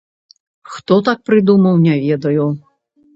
Хто так прыдумаў, не ведаю.